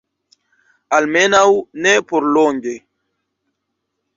Almenaŭ ne por longe.